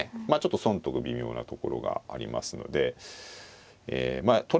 まあちょっと損得微妙なところがありますのでえ